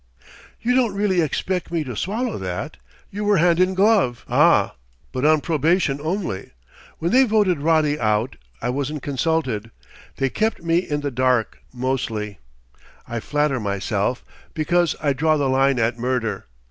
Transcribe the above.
"You don't really expect me to swallow that? You were hand in glove " "Ah, but on probation only! When they voted Roddy out, I wasn't consulted. They kept me in the dark mostly, I flatter myself, because I draw the line at murder.